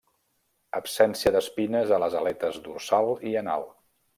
Absència d'espines a les aletes dorsal i anal.